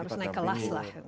harus naik kelas lah